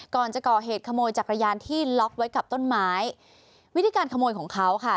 ก่อนจะก่อเหตุขโมยจักรยานที่ล็อกไว้กับต้นไม้วิธีการขโมยของเขาค่ะ